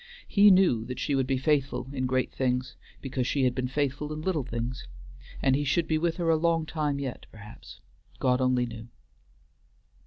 He knew that she would be faithful in great things, because she had been faithful in little things, and he should be with her a long time yet, perhaps. God only knew.